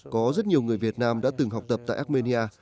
có rất nhiều người việt nam đã từng học tập tại armenia